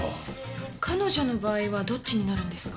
彼女の場合はどっちになるんですか？